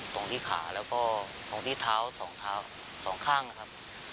ตรงที่ขาและก็ตรงที่เท้าสองทางนะครับ